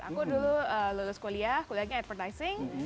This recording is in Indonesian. aku dulu lulus kuliah kuliahnya advertising